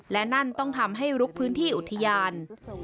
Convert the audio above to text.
และนั่นต้องทำให้ลุกพื้นที่อุทยาน